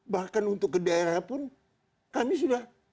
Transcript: bahkan untuk ke daerah pun kami sudah